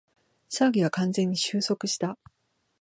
騒ぎは完全に収束した